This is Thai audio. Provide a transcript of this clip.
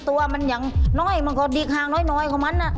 ตัวมันอย่างน้อยมันก็ดีข้างน้อยของมัน